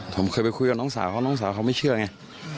ผมเคยไปคุยกับน้องสาวเขาน้องสาวเขาไม่เชื่อไง